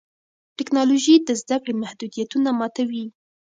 ټیکنالوژي د زده کړې محدودیتونه ماتوي.